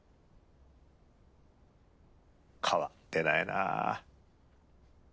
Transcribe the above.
変わってないなあ。